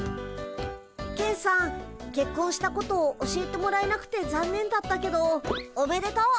ケンさんけっこんしたこと教えてもらえなくてざんねんだったけどおめでとう。